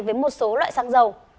với một số loại xăng dầu